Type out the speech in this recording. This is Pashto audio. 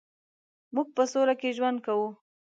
مونږ په سوله کې ژوند کوو